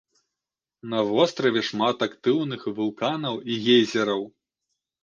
На востраве шмат актыўных вулканаў і гейзераў.